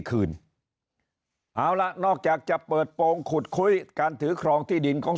คืนเอาละนอกจากจะเปิดโปรงขุดคุยการถือครองที่ดินของ